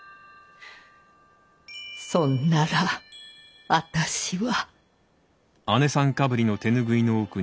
そんなら私は。